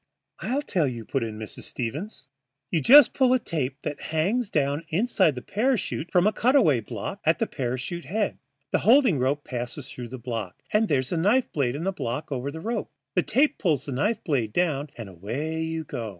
"I'll tell you," put in Mrs. Stevens. "You just pull a tape that hangs down inside the parachute from a cutaway block at the parachute head. The holding rope passes through that block, and there's a knife blade in the block over the rope. The tape pulls the knife blade down, and away you go.